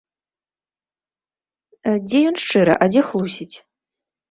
Дзе ён шчыры, а дзе хлусіць?